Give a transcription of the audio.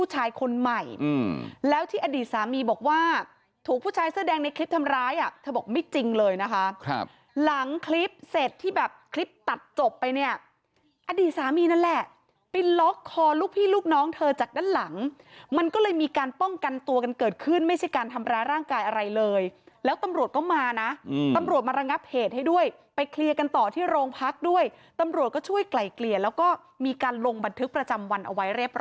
หลังคลิปเสร็จที่แบบคลิปตัดจบไปเนี่ยอดีตสามีนั่นแหละไปล็อกคอลูกพี่ลูกน้องเธอจากด้านหลังมันก็เลยมีการป้องกันตัวกันเกิดขึ้นไม่ใช่การทำร้ายร่างกายอะไรเลยแล้วตำรวจก็มานะตำรวจมาระงับเหตุให้ด้วยไปเคลียร์กันต่อที่โรงพักด้วยตำรวจก็ช่วยไกลเกลี่ยแล้วก็มีการลงบันทึกประจำวันเอาไว้เร